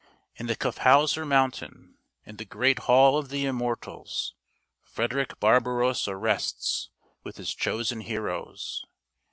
In the Kyffhauser Mountain, in the great hall of the immortals, Fred erick Barbarossa rests with his chosen heroes.